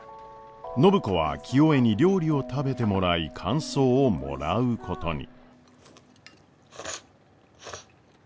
暢子は清恵に料理を食べてもらい感想をもらうことに。